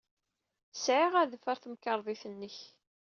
Sɛiɣ adaf ɣer temkarḍit-nnek.